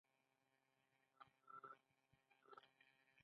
د کاناډا پوهنتونونه کیفیت لري.